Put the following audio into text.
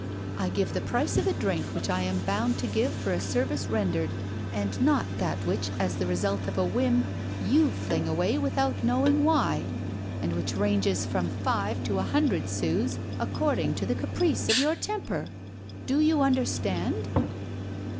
I give the price of a drink which I am bound to give for a service rendered, and not that which as the result of a whim you fling away without knowing why, and which ranges from five to a hundred sous according to the caprice of your temper! Do you understand?"